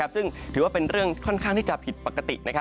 ซึ่งถือว่าเป็นเรื่องค่อนข้างที่จะผิดปกติ